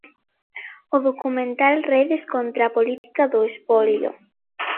O documental Redes contra a política do espolio.